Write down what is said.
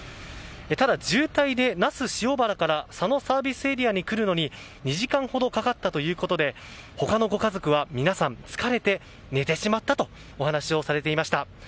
ただ、渋滞で那須塩原から佐野ＳＡに来るのに２時間ほどかかったということで他のご家族は皆さん、疲れて寝てしまったとお話をされていました。